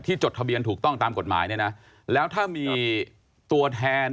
จดทะเบียนถูกต้องตามกฎหมายเนี่ยนะแล้วถ้ามีตัวแทน